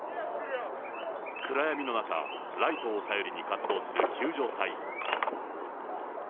暗闇の中、ライトを頼りに活動する救助隊員。